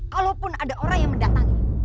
kalaupun ada orang yang mendatangi